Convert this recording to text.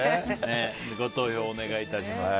ご投票をお願いいたします。